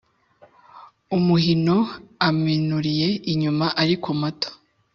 umuhino: aminuriye inyuma ariko mato;